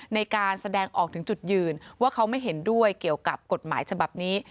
ในการแสดงออกถึงจุดยืนว่าเขาไม่เห็นด้วยเกี่ยวกับกฎหมายฉบับนี้